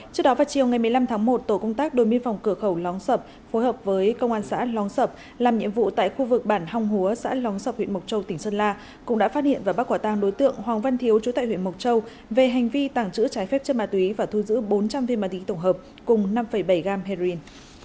trước đó vào chiều ngày một mươi năm tháng một tổ công tác đội biên phòng cửa khẩu lóng sập phối hợp với công an xã lóng sập làm nhiệm vụ tại khu vực bản hòng húa xã lóng sập huyện mộc châu tỉnh sơn la cũng đã phát hiện và bắt quả tàng đối tượng hoàng văn thiếu chú tại huyện mộc châu về hành vi tàng trữ trái phép chân ma túy và thu giữ bốn trăm linh viên ma túy tổng hợp cùng năm bảy gram heroin